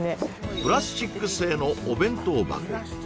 プラスチック製のお弁当箱